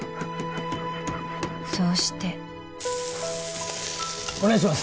そうしてお願いします